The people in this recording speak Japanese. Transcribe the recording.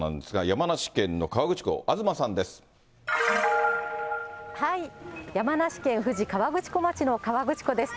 山梨県富士河口湖町の河口湖です。